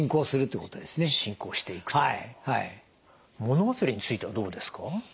もの忘れについてはどうですか？